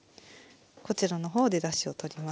こちらの方でだしを取りますので。